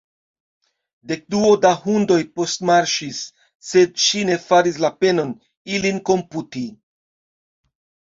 Dekduo da hundoj postmarŝis; sed ŝi ne faris la penon, ilin komputi.